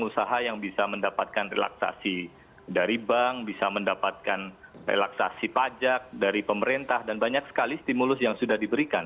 usaha yang bisa mendapatkan relaksasi dari bank bisa mendapatkan relaksasi pajak dari pemerintah dan banyak sekali stimulus yang sudah diberikan